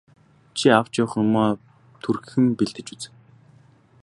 Чи авч явах юмаа түргэхэн бэлдэж үз.